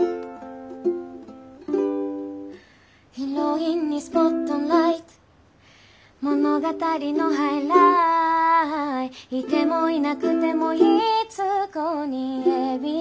「ヒロインにスポットライト物語のハイライト」「いてもいなくてもいい通行人Ａ．Ｂ．ＣのＬＩＦＥ」